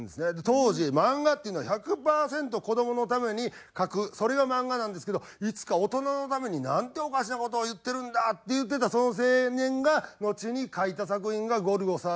当時漫画っていうのは１００パーセント子どものために描くそれが漫画なんですけどいつか大人のために。なんておかしな事を言ってるんだって言ってたその青年がのちに描いた作品が『ゴルゴ１３』。